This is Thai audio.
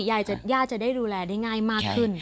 อย่าอยากจะรูแลได้ง่ายมากขึ้น